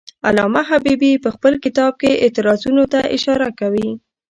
علامه حبیبي په خپل کتاب کې اعتراضونو ته اشاره کوي.